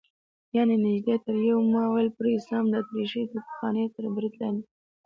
یعنې نږدې تر یوه مایل پورې سم د اتریشۍ توپخانې تر برید لاندې و.